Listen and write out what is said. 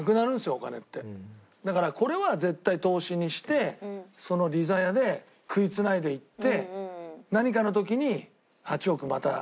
だからこれは絶対投資にして利ざやで食いつないでいって。